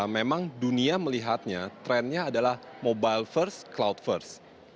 memang dunia melihatnya trennya adalah mobile first cloud first